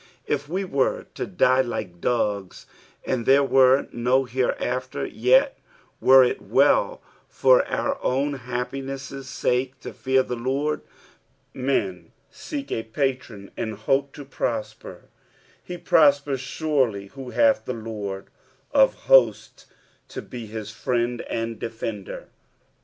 If we were to die like dogs, and there were no hereafter, yet were it well for our own happiness' sake to fear the Lord. Hen seek a patron and hope to prosper ; he prospers surely who hath the Lord of Hosts to be his friend and defender. 10.